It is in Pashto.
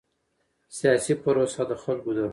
سیاسي پروسه د خلکو ده